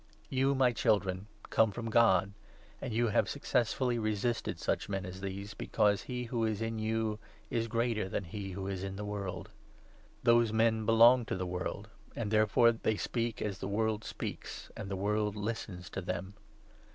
You, my Children, come from God, and you have success fully resisted such men as these, because he who is in you is greater than he who is in the world. Those men belong to the world ; and therefore they speak as the world speaks, and the world listens to them.